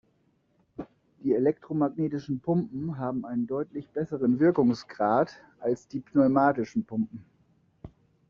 Die elektromagnetischen Pumpen haben einen deutlich besseren Wirkungsgrad als die pneumatischen Pumpen.